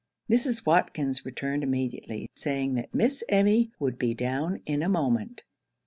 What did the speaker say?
Mrs. Watkins returned immediately, saying that Miss Emmy would be down in a moment.